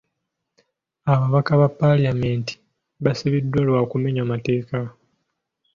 Ababaka ba paalamenti baasibiddwa lwa kumenya mateeka.